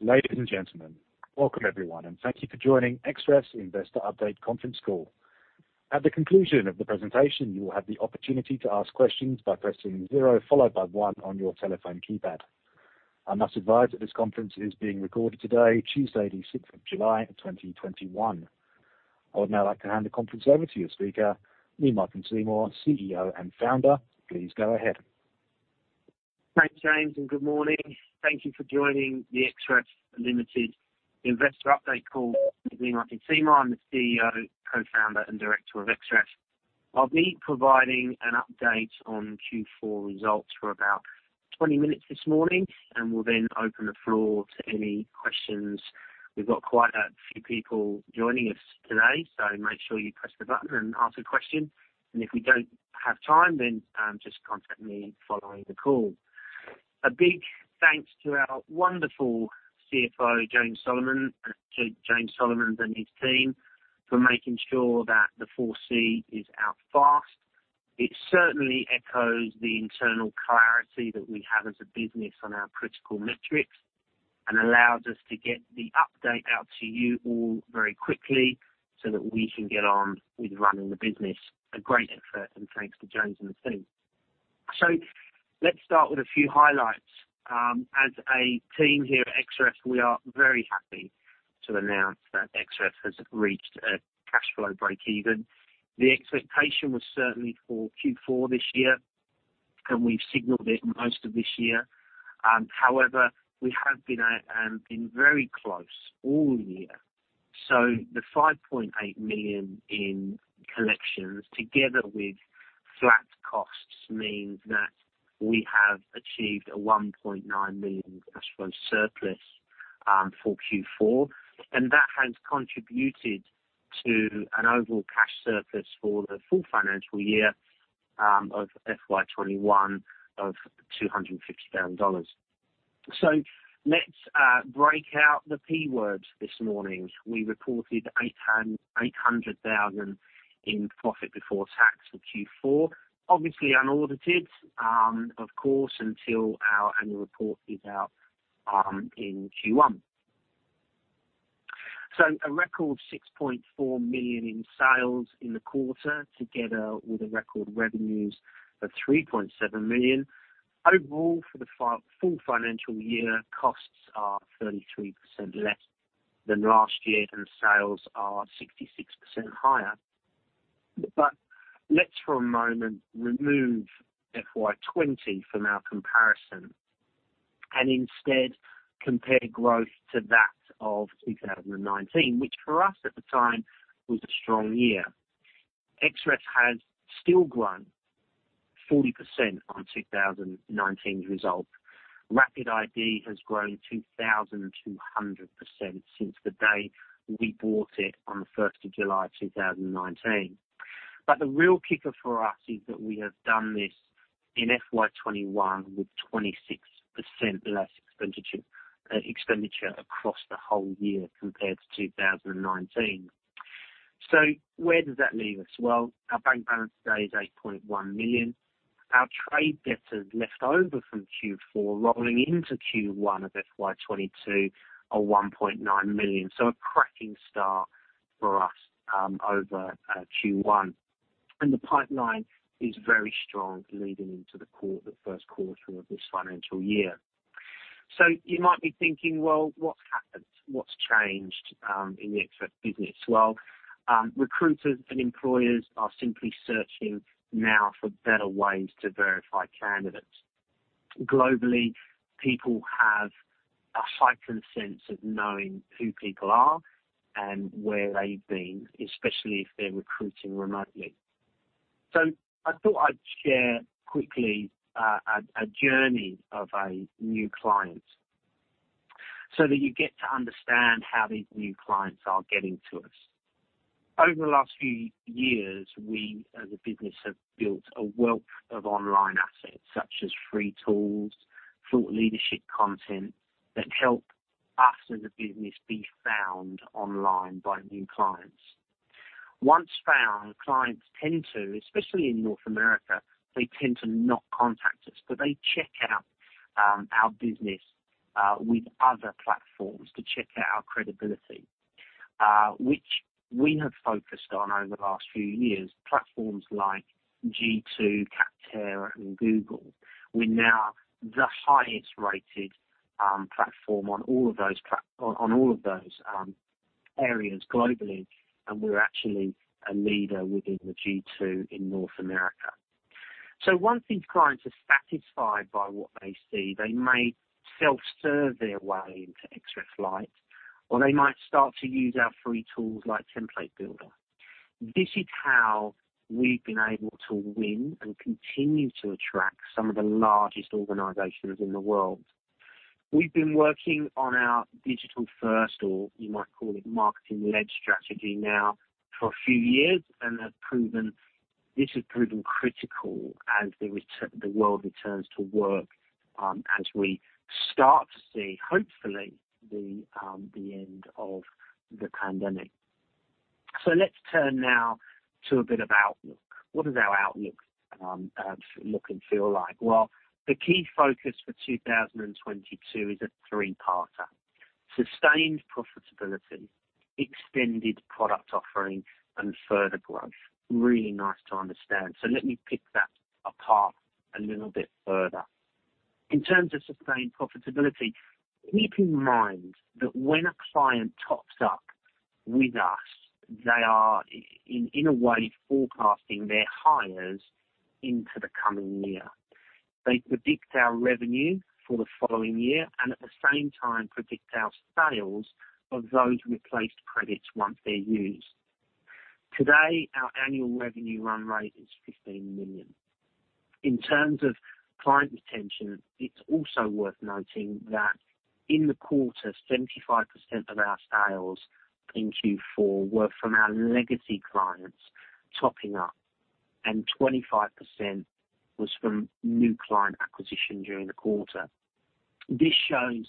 Ladies and gentlemen, welcome everyone, thank you for joining Xref's Investor Update conference call. At the conclusion of the presentation, you will have the opportunity to ask questions by pressing zero followed by one on your telephone keypad. I must advise that this conference is being recorded today, Tuesday the 6th of July 2021. I would now like to hand the conference over to your speaker, Lee-Martin Seymour, CEO and Founder. Please go ahead. Thanks, James, and good morning. Thank you for joining the Xref Limited Investor Update call. My name is Lee-Martin Seymour. I'm the CEO, Co-Founder, and Director of Xref. I'll be providing an update on Q4 results for about 20 minutes this morning, and will then open the floor to any questions. We've got quite a few people joining us today, so make sure you press the button and ask a question. If we don't have time, then just contact me following the call. A big thanks to our wonderful CFO, James Solomons, and his team for making sure that the 4C is out fast. It certainly echoes the internal clarity that we have as a business on our critical metrics and allows us to get the update out to you all very quickly so that we can get on with running the business. A great effort, thanks to James and the team. Let's start with a few highlights. As a team here at Xref, we are very happy to announce that Xref has reached a cash flow breakeven. The expectation was certainly for Q4 this year, and we signaled it most of this year. However, we have been very close all year. The 5.8 million in collections together with flat costs means that we have achieved an 1.9 million cash flow surplus for Q4, and that has contributed to an overall cash surplus for the full financial year of FY 2021 of 250,000 dollars. Let's break out the P words this morning. We reported 800,000 in profit before tax for Q4. Obviously unaudited, of course, until our annual report is out in Q1. A record 6.4 million in sales in the quarter together with record revenues of 3.7 million. Overall, for the full financial year, costs are 33% less than last year, and sales are 66% higher. Let's for a moment remove FY 2020 from our comparison and instead compare growth to that of 2019, which for us at the time was a strong year. Xref has still grown 40% on 2019 results. RapidID has grown 2,200% since the day we bought it on the 1st of July 2019. The real kicker for us is that we have done this in FY 2021 with 26% less expenditure across the whole year compared to 2019. Where does that leave us? Well, our bank balance today is 8.1 million. Our trade debtors left over from Q4 rolling into Q1 of FY 2022 are 1.9 million. A cracking start for us over Q1. The pipeline is very strong leading into the first quarter of this financial year. You might be thinking, well, what's happened? What's changed in the Xref business? Recruiters and employers are simply searching now for better ways to verify candidates. Globally, people have a heightened sense of knowing who people are and where they've been, especially if they're recruiting remotely. I thought I'd share quickly a journey of a new client so that you get to understand how these new clients are getting to us. Over the last few years, we as a business have built a wealth of online assets, such as free tools, thought leadership content that help us as a business be found online by new clients. Once found, clients tend to, especially in North America, they tend to not contact us, but they check out our business with other platforms to check out our credibility, which we have focused on over the last few years, platforms like G2, Capterra, and Google. We're now the highest-rated platform on all of those areas globally, and we're actually a leader within the G2 in North America. Once these clients are satisfied by what they see, they may self-serve their way into Xref Lite, or they might start to use our free tools like Template Builder. This is how we've been able to win and continue to attract some of the largest organizations in the world. We've been working on our digital first, or you might call it marketing led strategy now for a few years and this has proven critical as the world returns to work, as we start to see, hopefully, the end of the pandemic. Let's turn now to a bit of outlook. What does our outlook look and feel like? The key focus for 2022 is a three-parter. Sustained profitability, extended product offerings, and further growth. Really nice to understand. Let me pick that apart a little bit further. In terms of sustained profitability, keep in mind that when a client tops up with us, they are in a way forecasting their hires into the coming year. They predict our revenue for the following year, and at the same time predict our sales of those replaced credits once they're used. Today, our annual revenue run rate is 15 million. In terms of client retention, it's also worth noting that in the quarter, 75% of our sales in Q4 were from our legacy clients topping up, and 25% was from new client acquisition during the quarter. This shows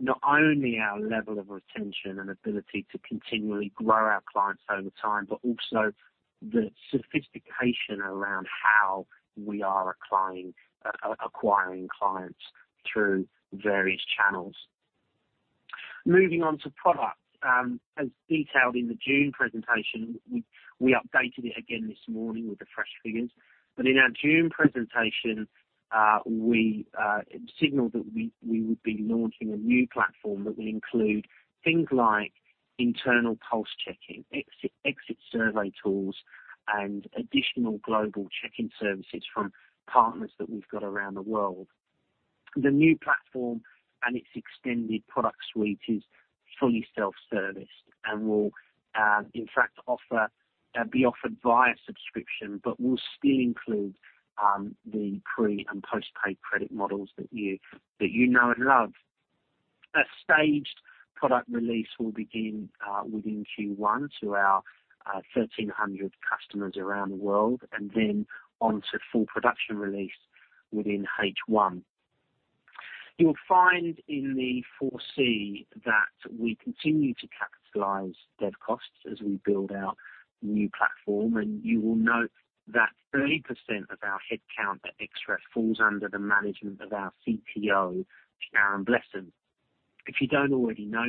not only our level of retention and ability to continually grow our clients over time, but also the sophistication around how we are acquiring clients through various channels. Moving on to products. As detailed in the June presentation, we updated it again this morning with the fresh figures. In our June presentation, we signaled that we would be launching a new platform that would include things like internal pulse checking, exit survey tools, and additional global check-in services from partners that we've got around the world. The new platform and its extended product suite is fully self-serviced, and will in fact be offered via subscription, but will still include the pre- and post-paid credit models that you know and love. A staged product release will begin within Q1 to our 1,300 customers around the world, and then onto full production release within H1. You'll find in the 4C that we continue to capitalize dev costs as we build out the new platform, and you will note that 30% of our headcount at Xref falls under the management of our CTO, Sharon Blesson. If you don't already know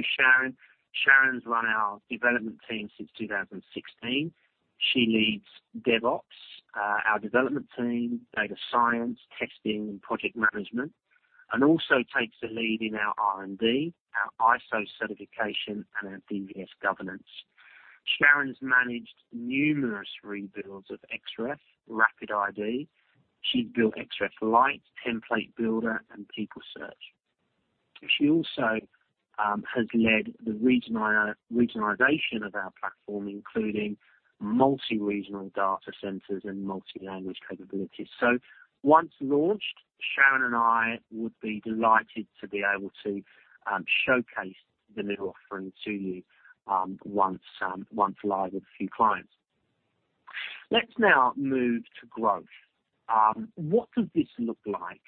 Sharon's run our development team since 2016. She leads DevOps, our development team, data science, testing, and project management, and also takes the lead in our R&D, our ISO certification, and our DVS governance. Sharon's managed numerous rebuilds of Xref, RapidID. She built Xref Lite, Template Builder, and People Search. She also has led the regionalization of our platform, including multi-regional data centers and multi-language capabilities. Once launched, Sharon and I would be delighted to be able to showcase the new offering to you once live with a few clients. Let's now move to growth. What does this look like?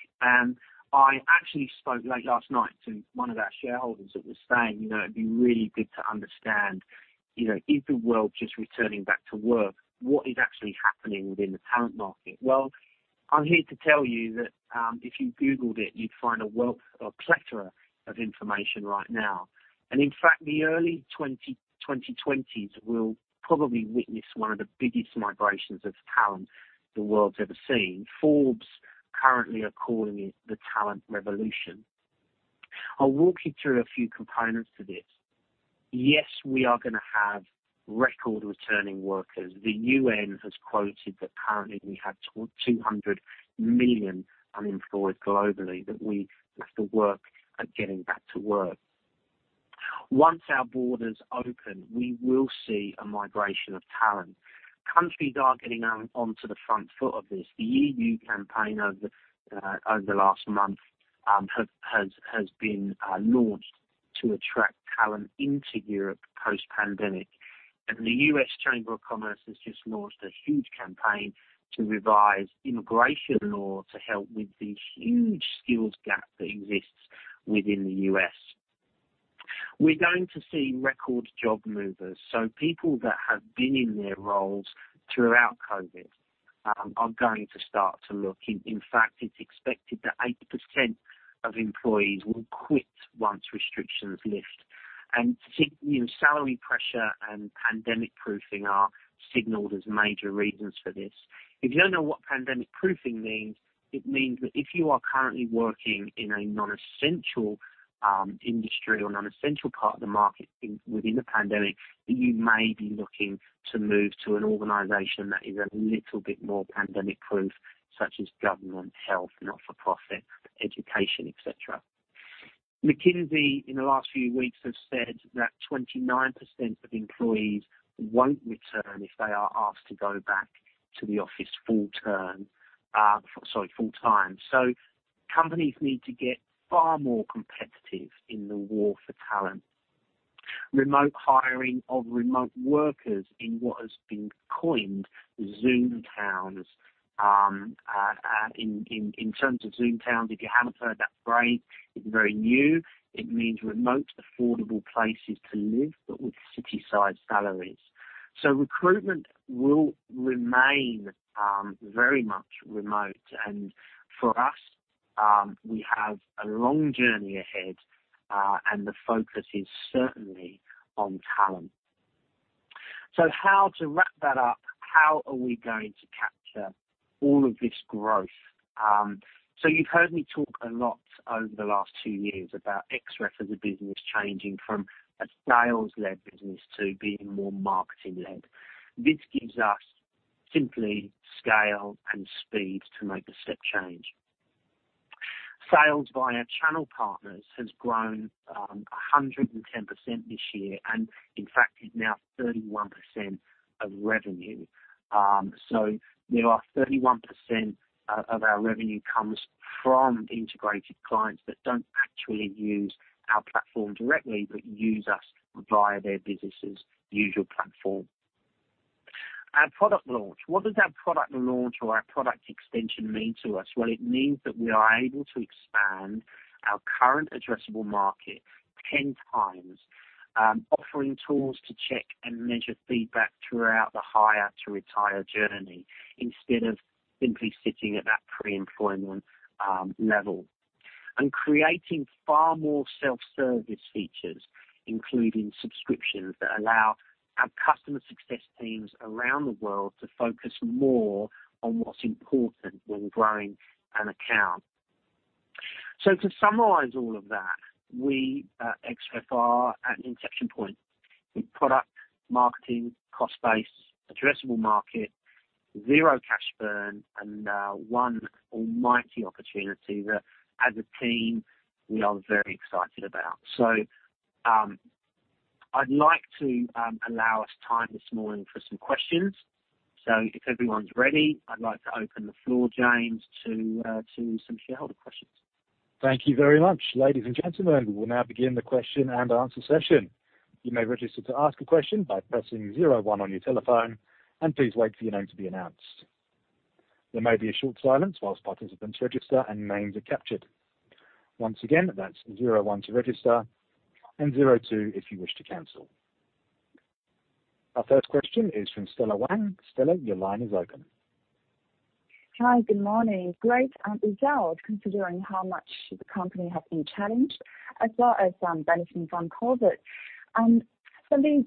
I actually spoke late last night to one of our shareholders that was saying, "It'd be really good to understand, is the world just returning back to work? What is actually happening within the talent market?" Well, I'm here to tell you that if you Googled it, you'd find a plethora of information right now. In fact, the early 2020s will probably witness one of the biggest migrations of talent the world's ever seen. Forbes currently are calling it the talent revolution. I'll walk you through a few components of this. Yes, we are going to have record returning workers. The UN has quoted that currently we have toward 200 million unemployed globally that we have to work at getting back to work. Once our borders open, we will see a migration of talent. Countries are getting onto the front foot of this. The EU campaign over the last month has been launched to attract talent into Europe post-pandemic. The U.S. Chamber of Commerce has just launched a huge campaign to revise immigration law to help with the huge skills gap that exists within the U.S. We're going to see record job movers. People that have been in their roles throughout COVID are going to start to look. In fact, it's expected that 80% of employees will quit once restrictions lift. Particularly salary pressure and pandemic proofing are signaled as major reasons for this. If you don't know what pandemic proofing means, it means that if you are currently working in a non-essential industry or non-essential part of the market within the pandemic, you may be looking to move to an organization that is a little bit more pandemic-proof, such as government, health, not-for-profit, education, et cetera. McKinsey, in the last few weeks have said that 29% of employees won't return if they are asked to go back to the office full-time. Companies need to get far more competitive in the war for talent. Remote hiring of remote workers in what has been coined Zoom towns. In terms of Zoom towns, if you haven't heard that phrase, it's very new. It means remote, affordable places to live, but with city-size salaries. Recruitment will remain very much remote. For us, we have a long journey ahead, and the focus is certainly on talent. How to wrap that up, how are we going to capture all of this growth? You've heard me talk a lot over the last two years about Xref as a business changing from a sales-led business to being more marketing-led. This gives us simply scale and speed to make a step change. Sales via channel partners has grown 110% this year, and in fact, is now 31% of revenue. There are 31% of our revenue comes from integrated clients that don't actually use our platform directly but use us to provide their businesses user platform. Product launch. What does our product launch or our product extension mean to us? It means that we are able to expand our current addressable market 10 times, offering tools to check and measure feedback throughout the hire to retire journey instead of simply sitting at that pre-employment level. Creating far more self-service features, including subscriptions that allow our customer success teams around the world to focus more on what's important when growing an account. To summarize all of that, we at Xref are at an inflection point with product, marketing, cost base, addressable market, zero cash burn, and one almighty opportunity that as a team, we are very excited about. I'd like to allow us time this morning for some questions. If everyone's ready, I'd like to open the floor, James, to some shareholder questions. Thank you very much. Ladies and gentlemen, we'll now begin the question-and-answer session. You may register to ask a question by pressing zero one on your telephone, and please wait for your name to be announced. There may be a short silence whilst participants register and names are captured. Once again, that's zero one to register and zero two if you wish to cancel. Our first question is from Stella Wang. Stella, your line is open. Hi, good morning. Great results considering how much the company has been changed as well as benefiting from COVID.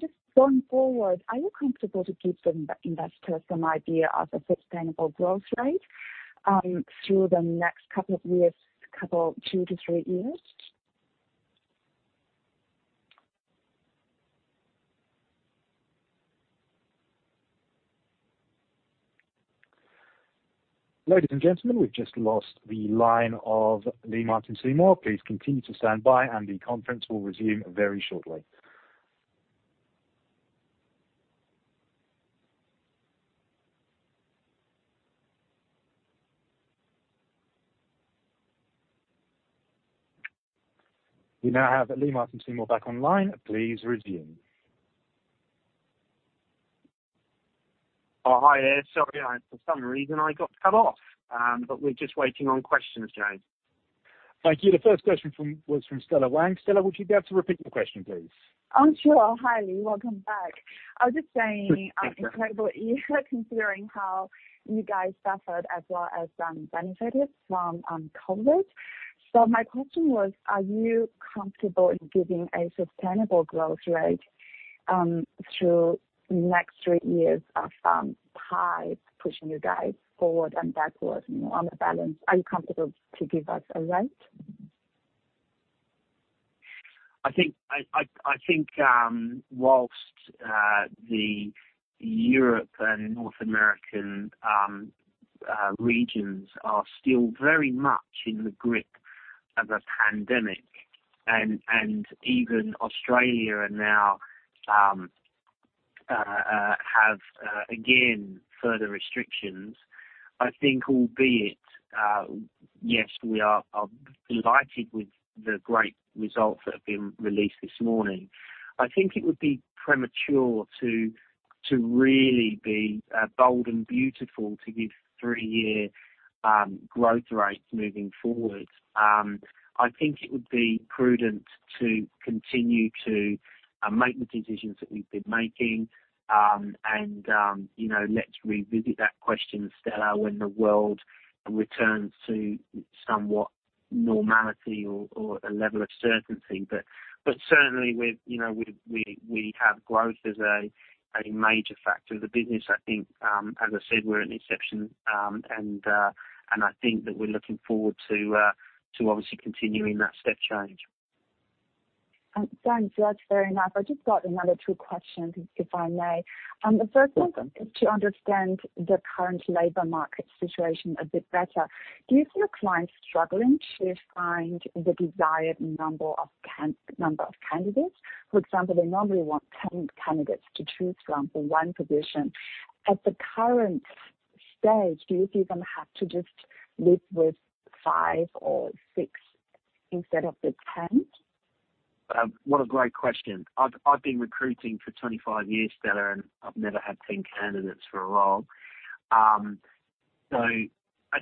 Just going forward, are you comfortable to give the investor some idea of the sustainable growth rate through the next two to three years? Ladies and gentlemen, we've just lost the line of Lee-Martin Seymour. Please continue to stand by, and the conference will resume very shortly. We now have Lee-Martin Seymour back online. Please resume. Oh, hi. Sorry. For some reason I got cut off. We're just waiting on questions, James. Thank you. The first question was from Stella Wang. Stella, would you be able to repeat the question, please? Sure. Hi, Lee. Welcome back. I was just saying, incredible year considering how you guys suffered as well as benefited from COVID. My question was, are you comfortable giving a sustainable growth rate through next three years of high pushing you guys forward and backwards more on the balance? Are you comfortable to give us a rate? I think whilst the Europe and North American regions are still very much in the grip of a pandemic and even Australia now have again further restrictions, I think albeit, yes, we are delighted with the great results that have been released this morning. I think it would be premature to really be bold and beautiful to give three-year growth rates moving forward. I think it would be prudent to continue to make the decisions that we've been making, and let's revisit that question, Stella, when the world returns to somewhat normality or a level of certainty. Certainly, we have growth as a major factor of the business. I think, as I said, we're at an inflection, and I think that we're looking forward to obviously continuing that step change. Thanks, Lee. Fair enough. I just got another two questions, if I may. Welcome. The first one is to understand the current labor market situation a bit better. Do you see the clients struggling to find the desired number of candidates? For example, they normally want 10 candidates to choose from for one position. At the current stage, do you think they have to just live with five or six instead of the 10? What a great question. I've been recruiting for 25 years, Stella, and I've never had 10 candidates for a role. I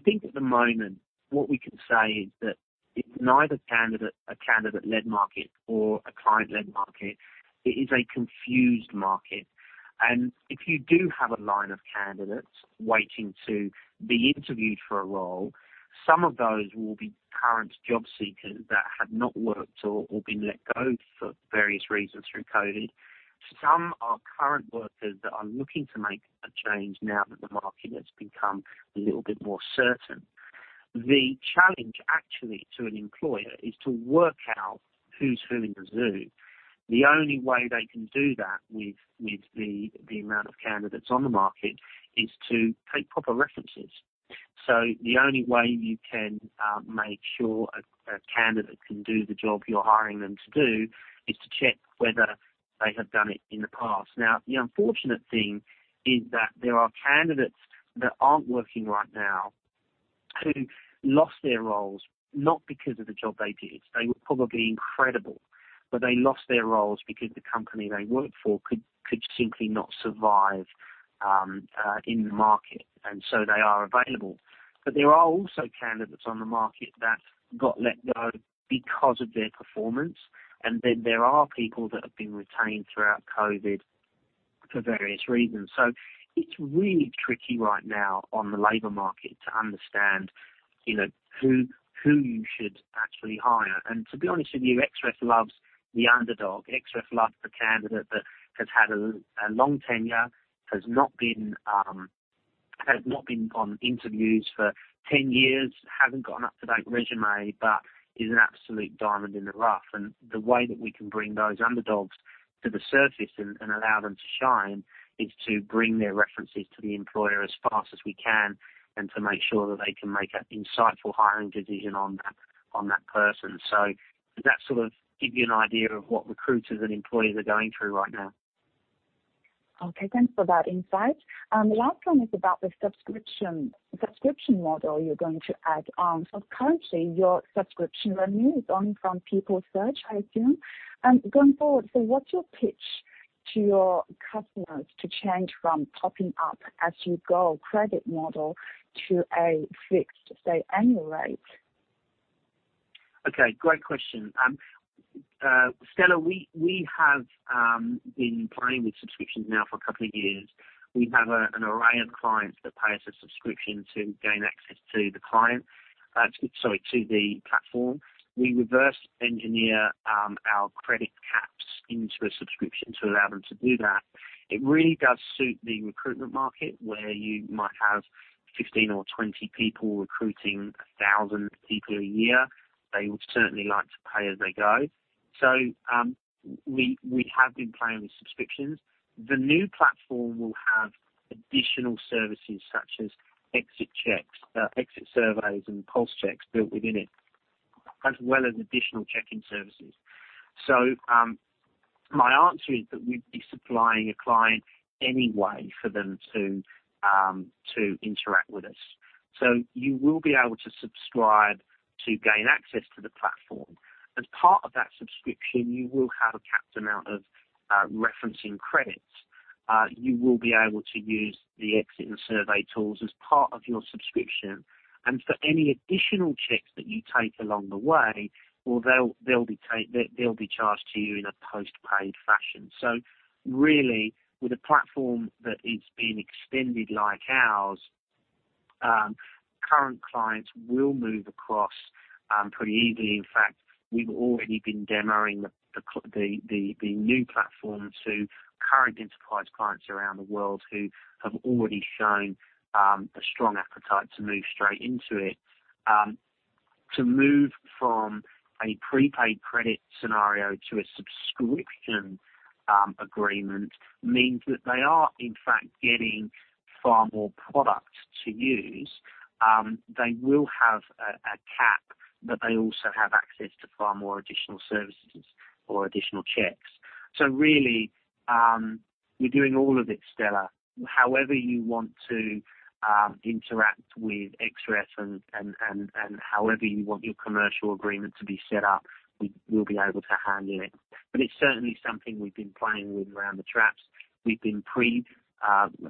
think at the moment, what we can say is that it's neither a candidate-led market or a client-led market. It is a confused market. If you do have a line of candidates waiting to be interviewed for a role, some of those will be current job seekers that have not worked or been let go for various reasons through COVID. Some are current workers that are looking to make a change now that the market has become a little bit more certain. The challenge actually to an employer is to work out who's who in the zoo. The only way they can do that with the amount of candidates on the market is to take proper references. The only way you can make sure a candidate can do the job you're hiring them to do is to check whether they have done it in the past. The unfortunate thing is that there are candidates that aren't working right now who lost their roles, not because of the job they did. They were probably incredible, but they lost their roles because the company they worked for could simply not survive in the market, and so they are available. There are also candidates on the market that got let go because of their performance, and then there are people that have been retained throughout COVID for various reasons. It's really tricky right now on the labor market to understand who you should actually hire. To be honest with you, Xref loves the underdog. Xref loves the candidate that has had a long tenure, has not been on interviews for 10 years, and haven't gotten up-to-date resume, but is an absolute diamond in the rough. The way that we can bring those underdogs to the surface and allow them to shine is to bring their references to the employer as fast as we can and to make sure that they can make an insightful hiring decision on that person. Does that sort of give you an idea of what recruiters and employees are going through right now. Okay. Thanks for that insight. The last one is about the subscription model you're going to add on. Currently, your subscription revenue is going from People Search, I assume. Going forward, what's your pitch to your customers to change from topping up as you go credit model to a fixed, say, annual rate? Okay. Great question. Stella, we have been playing with subscriptions now for a couple of years. We have an array of clients that pay us a subscription to gain access to the platform. We reverse engineer our credit caps into a subscription to allow them to do that. It really does suit the recruitment market where you might have 15 or 20 people recruiting 1,000 people a year. They would certainly like to pay as they go. We have been playing with subscriptions. The new platform will have additional services such as exit checks, exit surveys, and pulse checks built within it, as well as additional checking services. My answer is that we'd be supplying a client anyway for them to interact with us. You will be able to subscribe to gain access to the platform. As part of that subscription, you will have a capped amount of referencing credits. You will be able to use the exit and survey tools as part of your subscription, and for any additional checks that you take along the way, they'll be charged to you in a postpaid fashion. Really, with a platform that is being extended like ours, current clients will move across pretty easily. In fact, we've already been demoing the new platform to current enterprise clients around the world who have already shown a strong appetite to move straight into it. To move from a prepaid credit scenario to a subscription agreement means that they are, in fact, getting far more product to use. They will have a cap, but they also have access to far more additional services or additional checks. Really, we're doing all of it, Stella. However you want to interact with Xref and however you want your commercial agreement to be set up, we'll be able to handle it. It's certainly something we've been playing with around the traps. We've been pre/postpaid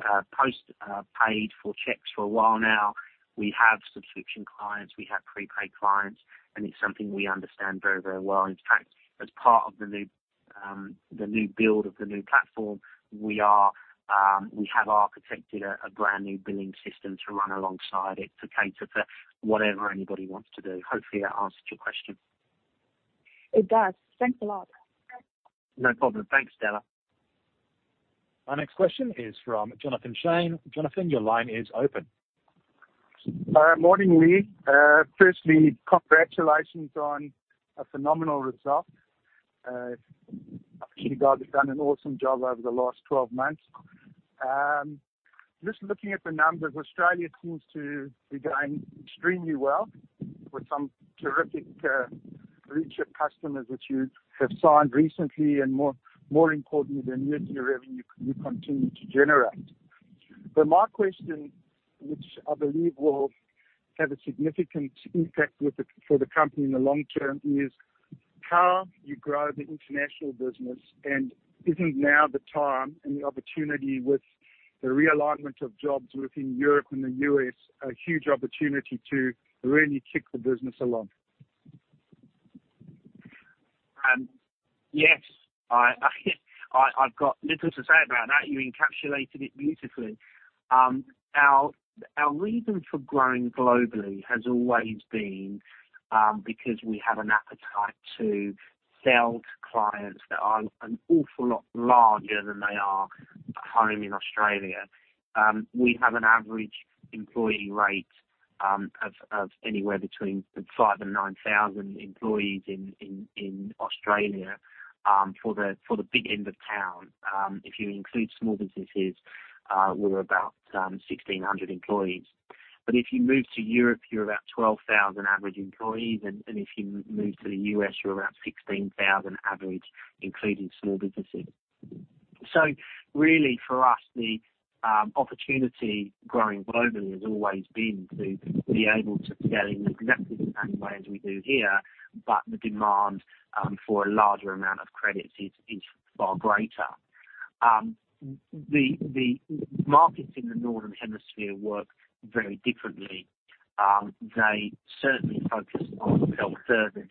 for checks for a while now. We have subscription clients, we have prepaid clients, it's something we understand very, very well. In fact, as part of the new build of the new platform, we have architected a brand new billing system to run alongside it to cater for whatever anybody wants to do. Hopefully, that answers your question. It does. Thanks a lot. No problem. Thanks, Stella. Our next question is from Jonathan Shane. Jonathan, your line is open. Morning, Lee. Firstly, congratulations on a phenomenal result. You guys have done an awesome job over the last 12 months. Just looking at the numbers, Australia seems to be going extremely well with some terrific reach of customers which you have signed recently, and more importantly, the annuity revenue you continue to generate. My question, which I believe will have a significant impact for the company in the long term, is how you grow the international business, and isn't now the time and the opportunity with the realignment of jobs within Europe and the U.S., a huge opportunity to really kick the business along? Yes. I've got little to say about that. You encapsulated it beautifully. Our reason for growing globally has always been because we have an appetite to sell to clients that are an awful lot larger than they are home in Australia. We have an average employee rate of anywhere between 5,000 and 9,000 employees in Australia, for the big end of town. If you include small businesses, we're about 1,600 employees. If you move to Europe, you're about 12,000 average employees. If you move to the U.S., you're about 16,000 average, including small businesses. Really, for us, the opportunity growing globally has always been to be able to sell in exactly the same way as we do here, but the demand for a larger amount of credits is far greater. The markets in the Northern Hemisphere work very differently. They certainly focus on self-service.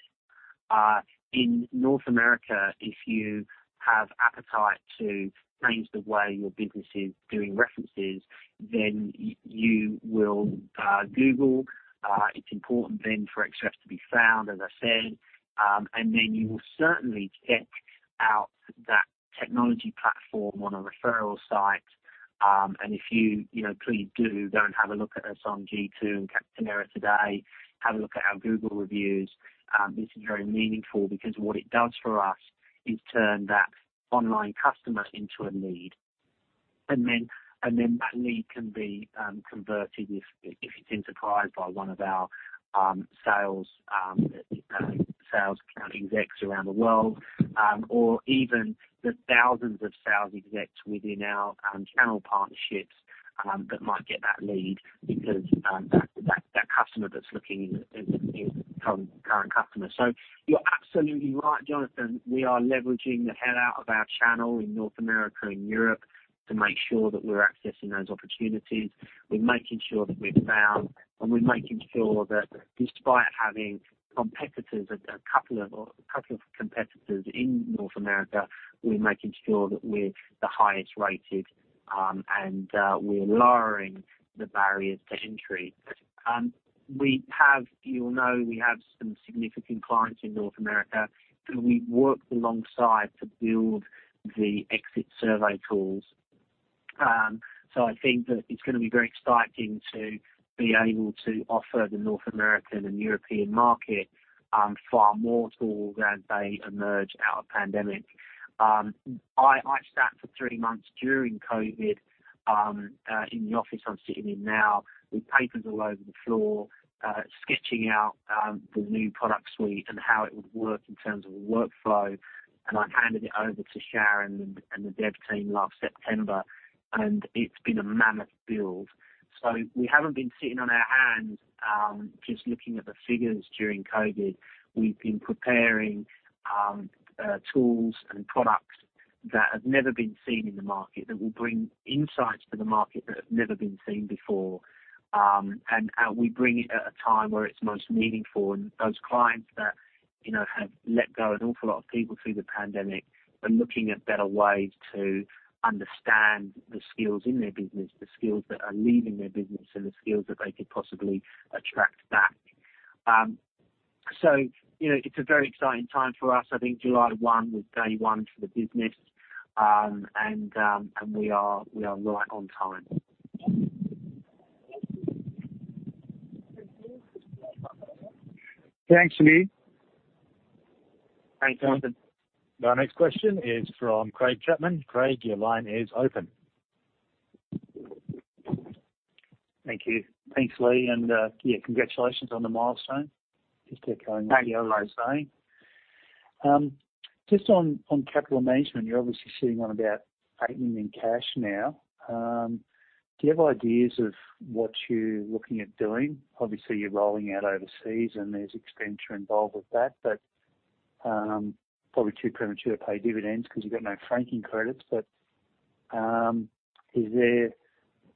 In North America, if you have appetite to change the way your business is doing references, then you will Google. It's important then for Xref to be found, as I said, and then you will certainly check out that technology platform on a referral site. If you, please do go and have a look at us on G2 and Capterra today. Have a look at our Google reviews. This is very meaningful because what it does for us is turn that online customer into a lead. Then that lead can be converted if it's inquired by one of our sales account execs around the world, or even the thousands of sales execs within our channel partnerships that might get that lead because that customer that's looking is a current customer. You're absolutely right, Jonathan. We are leveraging the hell out of our channel in North America and Europe to make sure that we're accessing those opportunities. We're making sure that we're found, and we're making sure that despite having competitors, a couple of competitors in North America, we're making sure that we're the highest rated, and we're lowering the barriers to entry. You'll know we have some significant clients in North America who we've worked alongside to build the exit survey tools. I think that it's going to be very exciting to be able to offer the North American and European market far more tools as they emerge out of the pandemic. I sat for three months during COVID, in the office I'm sitting in now, with papers all over the floor, sketching out the new product suite and how it would work in terms of a workflow, and I handed it over to Sharon and the dev team last September, and it's been a mammoth build. We haven't been sitting on our hands, just looking at the figures during COVID. We've been preparing tools and products that have never been seen in the market, that will bring insights to the market that have never been seen before. We bring it at a time where it's most meaningful, and those clients that have let go an awful lot of people through the pandemic are looking at better ways to understand the skills in their business, the skills that are leaving their business, and the skills that they could possibly attract back. It's a very exciting time for us. I think July 1 was day 1 for the business, and we are right on time. Thanks, Lee. Thanks, Jonathan. Our next question is from Craig Chapman. Craig, your line is open. Thank you. Thanks, Lee, yeah, congratulations on the milestone. Keep ticking. Thank you. Just on capital management, you're obviously sitting on about 8 million in cash now. Do you have ideas of what you're looking at doing? Obviously, you're rolling out overseas and there's expenditure involved with that, but probably too premature to pay dividends because you've got no franking credits, but is there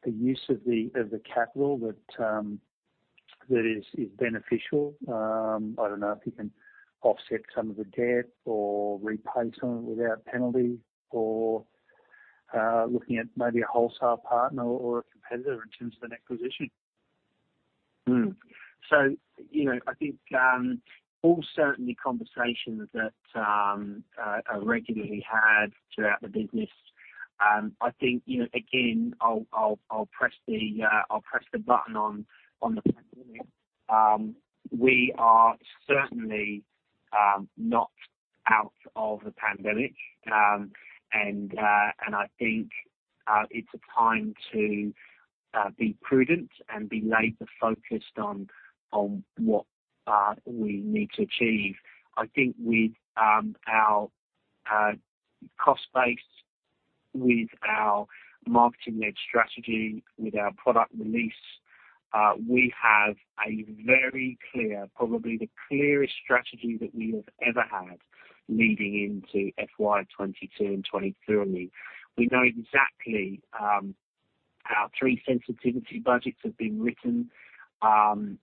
the use of the capital that is beneficial? I don't know if you can offset some of the debt or repay some of it without penalty or looking at maybe a wholesale partner or a competitor in terms of an acquisition? I think all certainly conversations that are regularly had throughout the business. I think, again, I'll press the button on the pandemic. We are certainly not out of the pandemic. I think it's a time to be prudent and be laser-focused on what we need to achieve. I think with our cost base with our marketing led strategy, with our product release, we have a very clear, probably the clearest strategy that we have ever had leading into FY 2022 and 2023. We know exactly our three sensitivity budgets have been written, and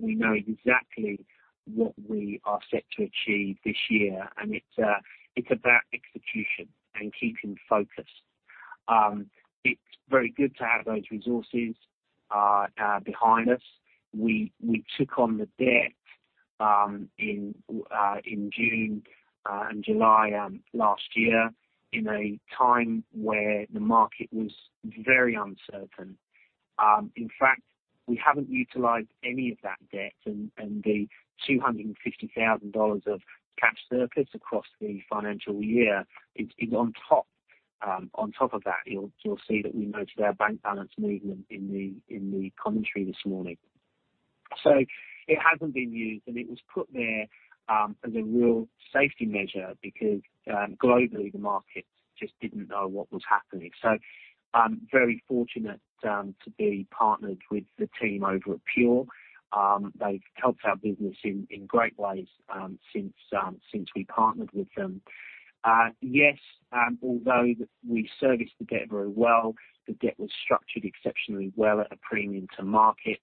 we know exactly what we are set to achieve this year. It's about execution and keeping focused. It's very good to have those resources behind us. We took on the debt in June and July last year in a time where the market was very uncertain. In fact, we haven't utilized any of that debt, and the 250,000 dollars of cash surplus across the financial year is on top of that. You'll see that we note our bank balance movement in the commentary this morning. It hasn't been used, and it was put there as a real safety measure because globally, the market just didn't know what was happening. I'm very fortunate to be partnered with the team over at PURE. They've helped our business in great ways since we partnered with them. Yes, although we serviced the debt very well, the debt was structured exceptionally well at a premium to market.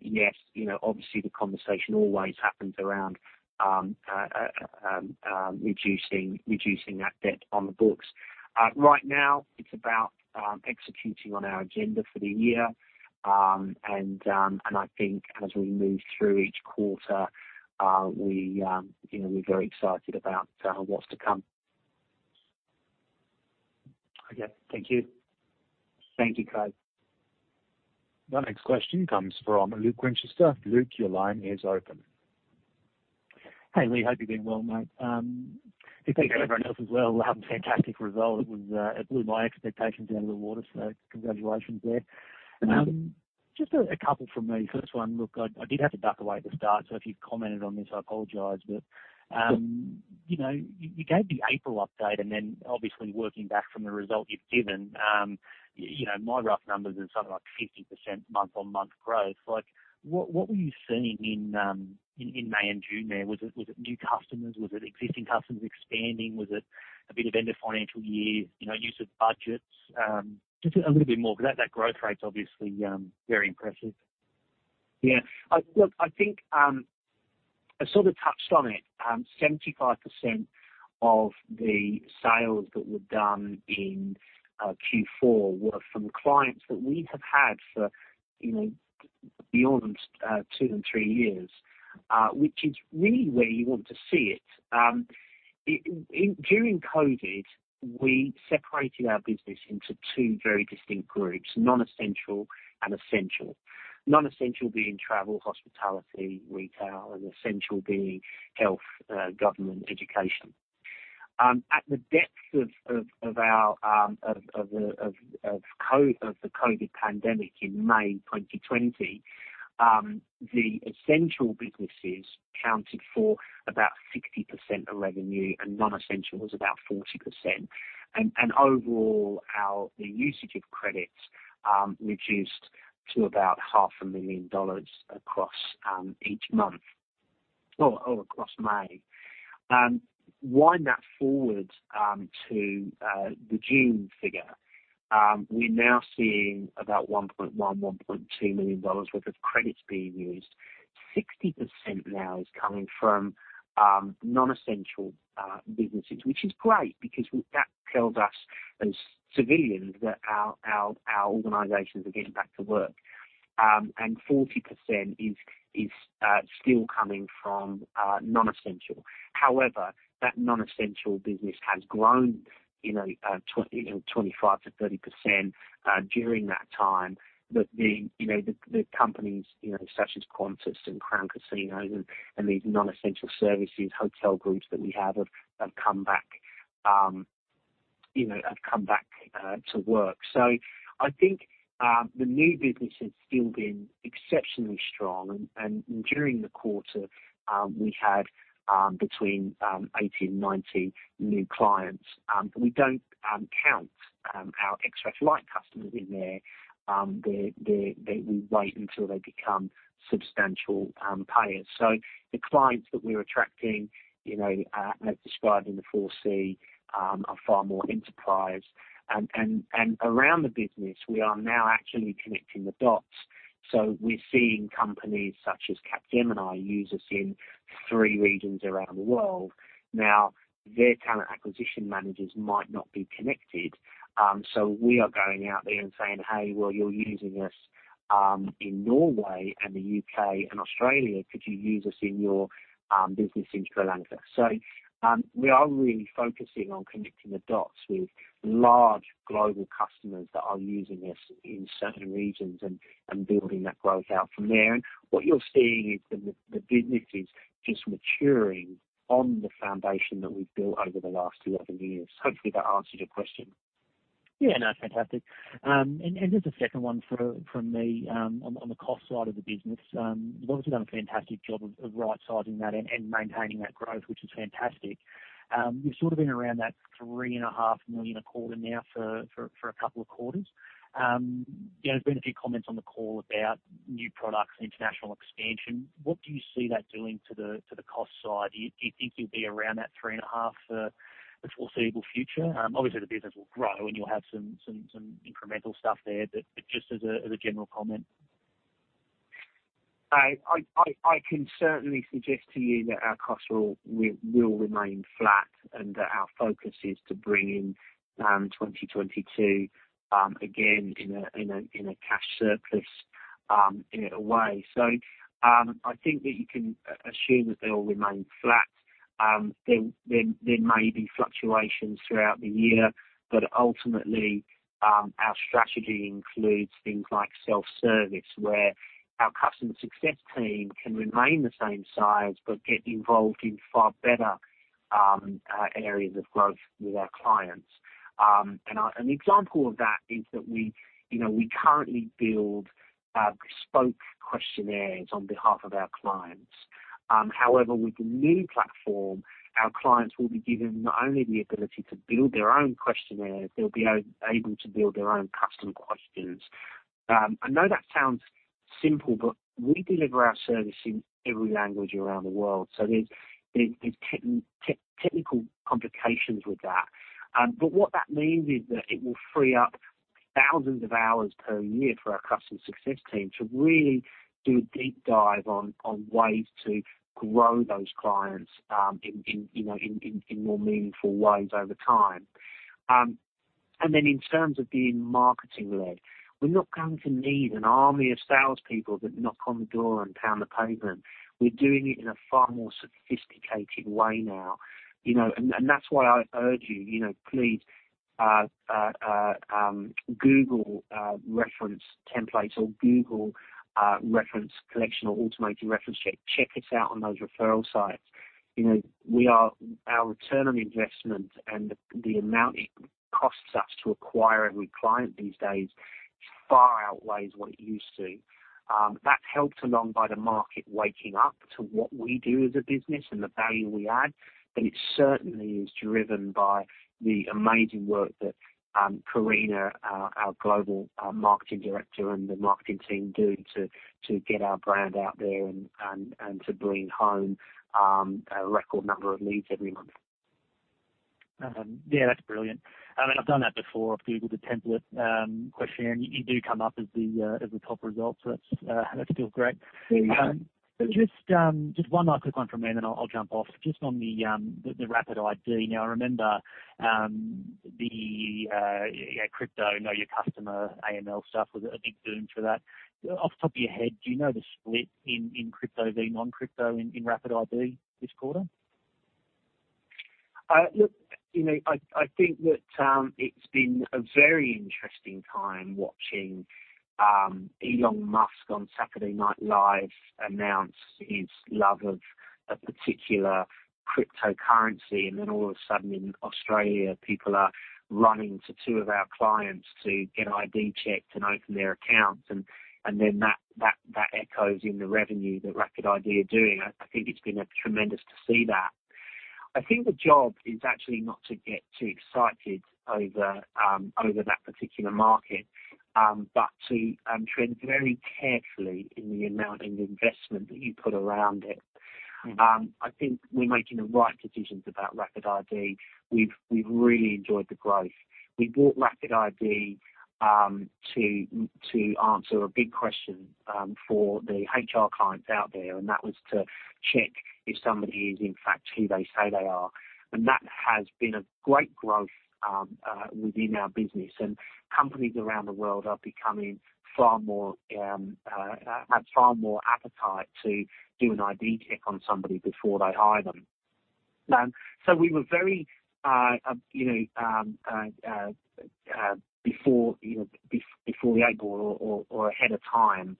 Yes, obviously the conversation always happens around reducing that debt on the books. Right now it's about executing on our agenda for the year. I think as we move through each quarter, we're very excited about what's to come. Okay. Thank you. Thank you, Craig. The next question comes from Luke Winchester. Luke, your line is open. Hey, Lee. Hope you're doing well, mate. Thank you everyone else as well. Fantastic result. It blew my expectations out of the water. Congratulations there. Thank you. Just a couple from me. First one, look, I did have to duck away at the start, so if you've commented on this, I apologize, but you gave the April update, and then obviously working back from the result you've given. My rough numbers are something like 50% month-on-month growth. What were you seeing in May and June there? Was it new customers? Was it existing customers expanding? Was it a bit of end of financial year, use of budgets? Just a little bit more about that. That growth rate's obviously very impressive. Yeah. Look, I think I sort of touched on it. 75% of the sales that were done in Q4 were from clients that we have had for beyond two and three years, which is really where you want to see it. During COVID, we separated our business into two very distinct groups, non-essential and essential. Non-essential being travel, hospitality, retail, and essential being health, government, education. At the depths of the COVID pandemic in May 2020, the essential businesses accounted for about 60% of revenue, and non-essential was about 40%. Overall, the usage of credits reduced to about 500,000 dollars across each month or across May. Wind that forward to the June figure. We're now seeing about 1.1 million, 1.2 million dollars worth of credits being used. 60% now is coming from non-essential businesses, which is great because that tells us as civilians that our organizations are getting back to work. 40% is still coming from non-essential. However, that non-essential business has grown 25%-30% during that time. The companies such as Qantas and Crown Casino and these non-essential services, hotel groups that we have have come back to work. I think the new business has still been exceptionally strong. During the quarter, we had between 80 and 90 new clients. We don't count our Xref Lite customers in there. We wait until they become substantial payers. The clients that we're attracting, as described in the 4C, are far more enterprise. Around the business, we are now actually connecting the dots. We're seeing companies such as Capgemini use us in three regions around the world. Their talent acquisition managers might not be connected. We are going out there and saying, "Hey, well, you're using us in Norway and the U.K. and Australia. Could you use us in your business in Sri Lanka?" We are really focusing on connecting the dots with large global customers that are using us in certain regions and building that growth out from there. What you're seeing is the business is just maturing on the foundation that we've built over the last 11 years. Hopefully, that answers your question. Yeah, no, fantastic. Just a second one from me on the cost side of the business. You guys have done a fantastic job of right-sizing that and maintaining that growth, which is fantastic. You've sort of been around that 3.5 million a quarter now for two quarters. There's been a few comments on the call about new products and international expansion. What do you see that doing to the cost side? Do you think you'll be around that 3.5 million for the foreseeable future? Obviously, the business will grow, and you'll have some incremental stuff there, but just as a general comment. I can certainly suggest to you that our costs will remain flat and that our focus is to bring in 2022, again, in a cash surplus in a way. I think that you can assume that they will remain flat. There may be fluctuations throughout the year, but ultimately, our strategy includes things like self-service, where our customer success team can remain the same size but get involved in far better areas of growth with our clients. An example of that is that we currently build bespoke questionnaires on behalf of our clients. However, with the new platform, our clients will be given not only the ability to build their own questionnaires, they'll be able to build their own custom questions. I know that sounds simple, but we deliver our service in every language around the world. There's technical complications with that. What that means is that it will free up thousands of hours per year for our customer success team to really do a deep dive on ways to grow those clients in more meaningful ways over time. In terms of the marketing leg, we're not going to need an army of salespeople that knock on the door and pound the pavement. We're doing it in a far more sophisticated way now. That's why I urge you, please Google reference templates or Google reference collection or automated reference check. Check us out on those referral sites. Our return on investment and the amount it costs us to acquire every client these days far outweighs what it used to. That's helped along by the market waking up to what we do as a business and the value we add, but it certainly is driven by the amazing work that Karina, our Global Marketing Director, and the marketing team do to get our brand out there and to bring home a record number of leads every month. Yeah, that's brilliant. I've done that before. I've Googled the template questionnaire, and you do come up as the top result, so that's still great. Yeah. Just one quick one from me, I'll jump off. Just on the RapidID. I remember the crypto know your customer, AML stuff was a big boom for that. Off the top of your head, do you know the split in crypto V non-crypto in RapidID this quarter? Look, I think that it's been a very interesting time watching Elon Musk on Saturday Night Live announce his love of a particular cryptocurrency, and then all of a sudden in Australia, people are running to two of our clients to get ID checks and open their accounts. That echoes in the revenue that RapidID are doing. I think it's been tremendous to see that. I think the job is actually not to get too excited over that particular market, but to tread very carefully in the amount of investment that you put around it. I think we're making the right decisions with that RapidID. We've really enjoyed the growth. We bought RapidID to answer a big question for the HR clients out there, that was to check if someone is in fact who they say they are. That has been a great growth within our business, and companies around the world have had far more appetite to do an ID check on somebody before they hire them. We were very, before [we go] or ahead of time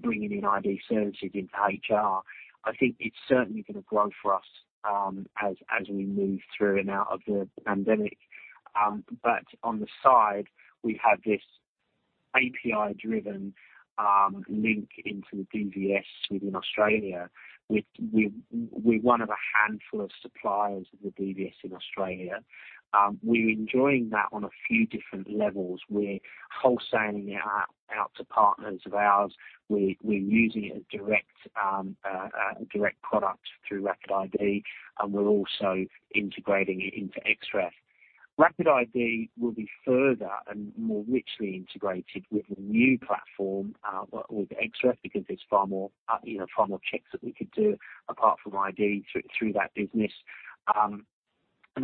bringing in ID services into HR. I think it's certainly going to grow for us as we move through and out of the pandemic. On the side, we have this API-driven link into the DVS within Australia. We're one of a handful of suppliers of the DVS in Australia. We're enjoying that on a few different levels. We're wholesaling it out to partners of ours. We're using it as a direct product through RapidID, and we're also integrating it into Xref. RapidID will be further and more richly integrated with the new platform with Xref because there's far more checks that we could do apart from ID through that business.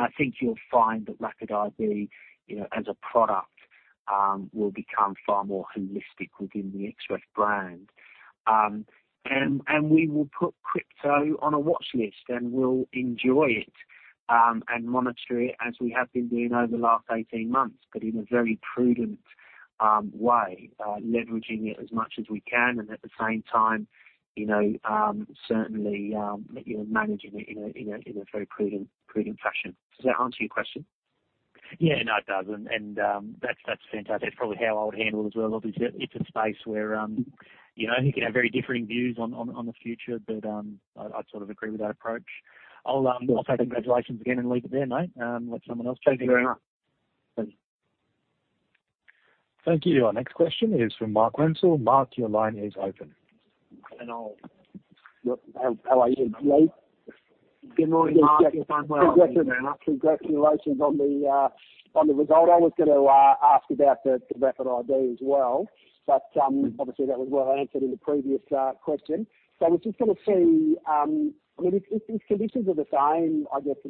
I think you'll find that RapidID, as a product, will become far more holistic within the Xref brand. We will put crypto on a watchlist, and we'll enjoy it and monitor it as we have been doing over the last 18 months, but in a very prudent way, leveraging it as much as we can, and at the same time, certainly, managing it in a very prudent fashion. Does that answer your question? Yeah, no, it does. That's fantastic. That's probably how I'll handle it as well. Obviously, it's a space where I think you have very differing views on the future, but I agree with that approach. I'll say congratulations again and leave it there, mate. Thank you very much. Thank you. Our next question is from Mark Wenzel. Mark, your line is open. How are you, Lee? Good morning, Mark. You sound well. Congratulations on the result. I was going to ask about the RapidID as well, but obviously that was well answered in the previous question. I was just going to see, if conditions are the same, I guess, for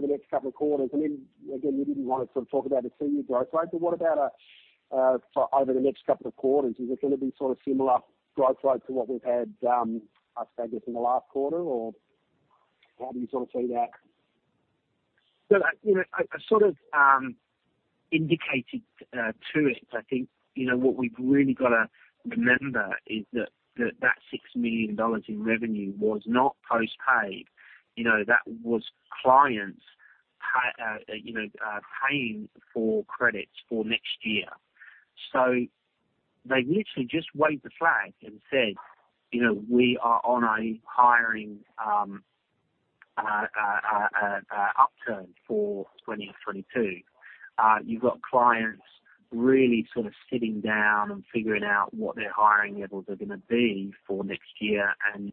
the next couple of quarters, I mean, again, you didn't want to talk about a two-year growth rate, but what about over the next couple of quarters? Is it going to be similar growth rate to what we've had, I'd say, just in the last quarter, or what are you sorting there? I indicated to it. I think, what we've really got to remember is that that 6 million dollars in revenue was not postpaid. That was clients paying for credits for next year. They literally just waved the flag and said, "We are on a hiring upturn for 2022." You've got clients really sitting down and figuring out what their hiring levels are going to be for next year and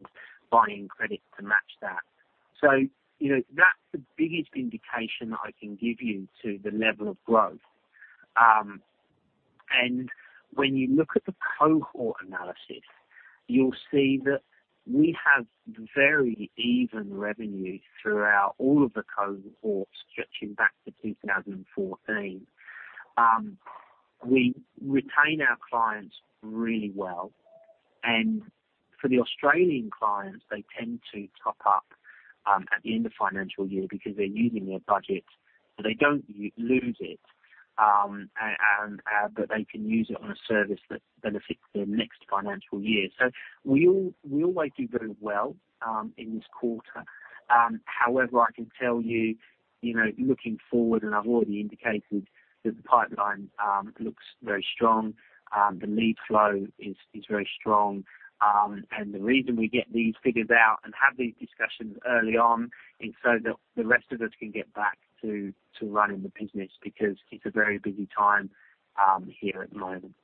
buying credit to match that. That's the biggest indication I can give you to the level of growth. When you look at the cohort analysis, you'll see that we have very even revenue throughout all of the cohorts stretching back to 2014. We retain our clients really well. For the Australian clients, they tend to top up at the end of financial year because they're using their budget. They don't lose it, but they can use it on a service that benefits their next financial year. We always do very well in this quarter. However, I can tell you, looking forward, and I've already indicated that the pipeline looks very strong. The lead flow is very strong. The reason we get these figures out and have these discussions early on is so that the rest of us can get back to running the business, because it's a very busy time here at the moment.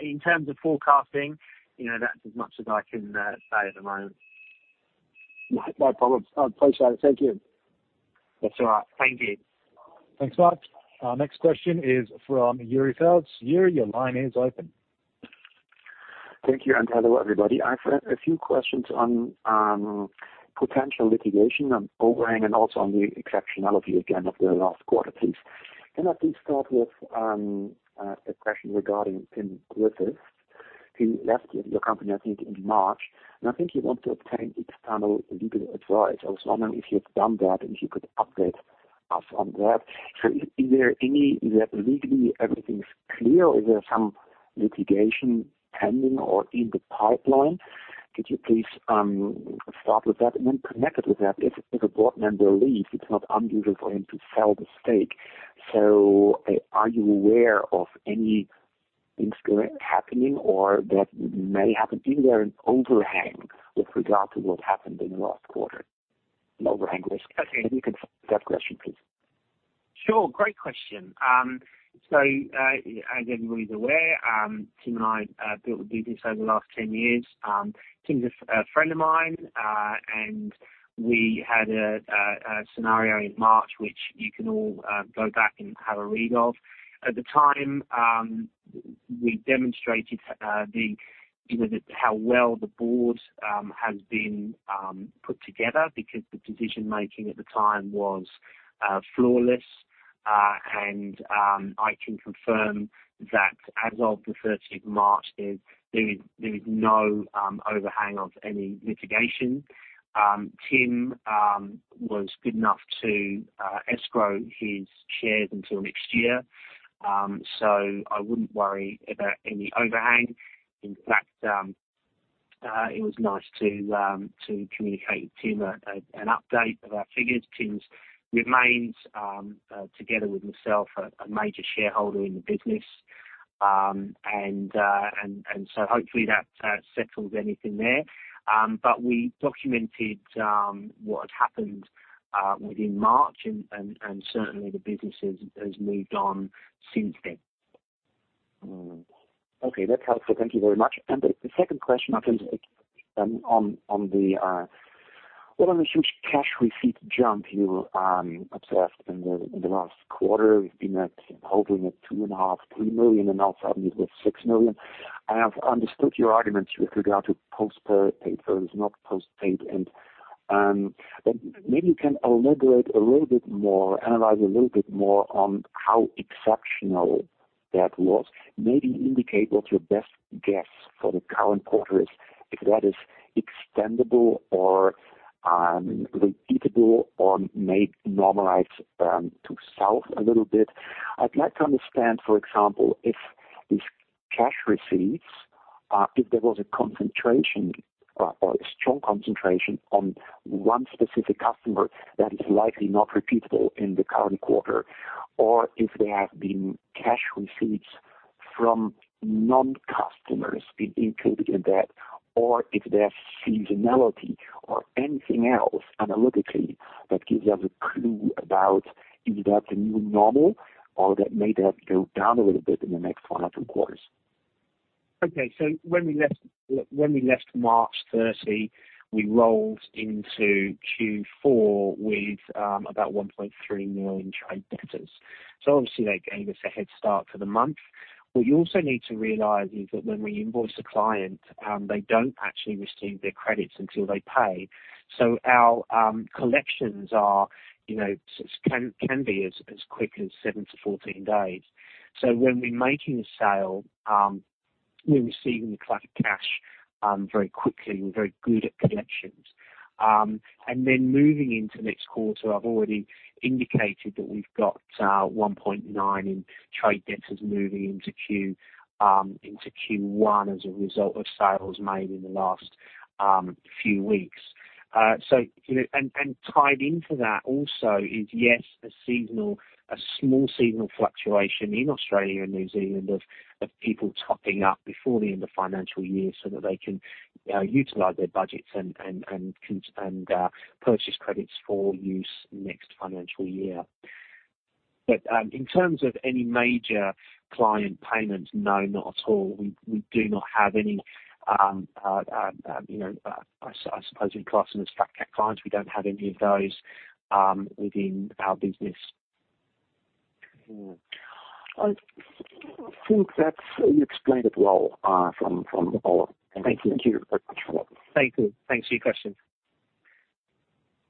In terms of forecasting, that's as much as I can say at the moment. No problem. Pleasure. Thank you. That's all right. Thank you. Thanks, Mark. Our next question is from Yuri Saltz. Yuri, your line is open. Thank you, and hello, everybody. I have a few questions on potential litigation, on overlaying, and also on the exceptionality again of the last quarter, please. Can I please start with a question regarding Tim Griffiths? He left your company, I think, in March, and I think you want to obtain external legal advice. I was wondering if you've done that, and if you could update us on that. Legally everything's clear? Is there some litigation pending or in the pipeline? Could you please start with that? Connected with that, if a board member leaves, it's not unusual for him to sell the stake. Are you aware of any things happening or that may happen? Is there an overhang with regard to what happened in the last quarter? An overhang risk. If you could take that question, please. Sure. Great question. As everybody's aware, Tim and I built the business over the last 10 years. Tim's a friend of mine, and we had a scenario in March, which you can all go back and have a read of. At the time, we demonstrated how well the board has been put together because the decision-making at the time was flawless. I can confirm that as of the 30th of March, there is no overhang of any litigation. Tim was good enough to escrow his shares until next year. I wouldn't worry about any overhang. In fact, it was nice to communicate to Tim an update of our figures. Tim remains, together with myself, a major shareholder in the business. Hopefully that settles anything there. We documented what had happened within March, and certainly the business has moved on since then. Okay. That's helpful. Thank you very much. The second question, what was this cash receipt jump you observed in the last quarter? You've been holding at 2.5 million, 3 million, and now suddenly you have 6 million. I've understood your arguments with regard to postpaid versus not postpaid. Maybe you can analyze a little bit more on how exceptional that was. Maybe indicate what's your best guess for the current quarter is, if that is extendable or repeatable or may normalize to south a little bit. I'd like to understand, for example, if cash receipts, if there was a concentration or a strong concentration on one specific customer that is likely not repeatable in the current quarter, or if there have been cash receipts from non-customers included in that, or if there's seasonality or anything else analytically that gives us a clue about if that's a new normal or that may go down a little bit in the next one or two quarters. When we left March 30, we rolled into Q4 with about 1.3 million trade debtors. Obviously, that gave us a head start for the month. What you also need to realize is that when we invoice a client, they don't actually receive their credits until they pay. Our collections can be as quick as 7-14 days. When we're making a sale, we're receiving the client cash very quickly. We're very good at collections. Moving into next quarter, I've already indicated that we've got 1.9 million in trade debtors moving into Q1 as a result of sales made in the last few weeks. Tied into that also is, yes, a small seasonal fluctuation in Australia and New Zealand of people topping up before the end of the financial year so that they can utilize their budgets and purchase credits for use in the next financial year. In terms of any major client payments, no, not at all. We do not have any, I suppose you'd class them as stock-up clients. We don't have any of those within our business. I think that's explained it well from our end. Thank you. Thank you. Thanks for your question.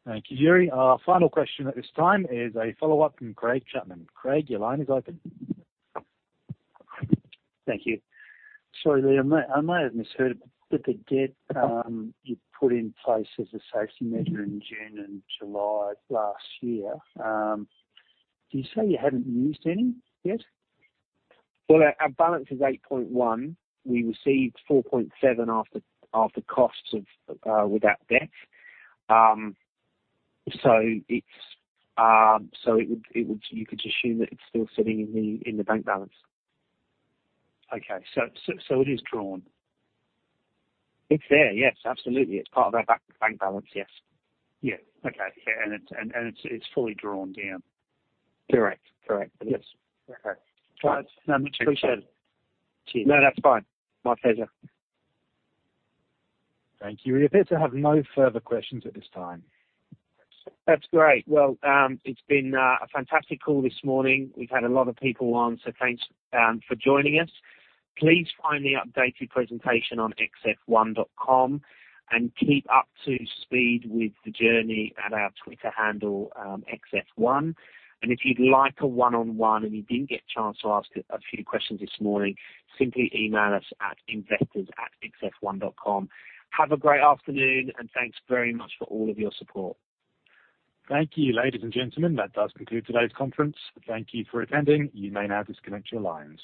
Thank you. Our final question at this time is a follow-up from Craig Chapman. Craig, your line is open. Thank you. Sorry, Lee, I might have misheard, but the debt you put in place as a safety measure in June and July of last year. Did you say you hadn't used any yet? Well, our balance is 8.1 million. We received 4.7 million after costs with that debt. You could assume that it's still sitting in the bank balance. Okay, it is drawn. It's there, yes, absolutely. It's part of our bank balance, yes. Yeah. Okay. It's fully drawn down. Correct. Yes. Okay. I appreciate it. No, that's fine. My pleasure. Thank you. I appear to have no further questions at this time. That's great. Well, it's been a fantastic call this morning. We've had a lot of people on, so thanks for joining us. Please find the updated presentation on xf1.com and keep up to speed with the journey at our Twitter handle, XF1. If you'd like a one-on-one and you didn't get a chance to ask a few questions this morning, simply email us at investors@xf1.com. Have a great afternoon, and thanks very much for all of your support. Thank you, ladies and gentlemen. That does conclude today's conference. Thank you for attending. You may now disconnect your lines.